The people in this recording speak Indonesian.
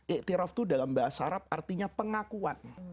iktiraf itu dalam bahasa arab artinya pengakuan